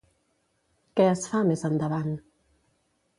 Qué es fa, més endavant?